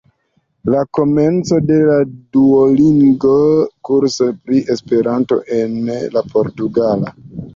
La komenco de la Duolingo-kurso pri Esperanto en la portugala.